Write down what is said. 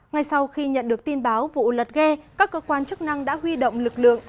ngay sau khi nhận được tin báo vụ lật ghe các cơ quan chức năng đã huy động lực lượng